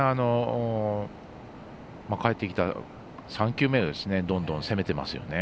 返ってきた３球目をどんどん攻めてますよね。